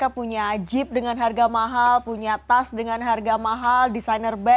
maka harus menemukan harga kursi yang mewah dengan harga mahal punya kas dengan harga mahal desainer bag begitu